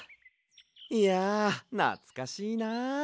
いやなつかしいな。